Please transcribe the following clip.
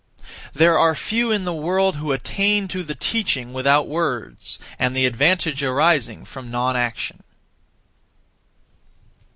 There are few in the world who attain to the teaching without words, and the advantage arising from non action.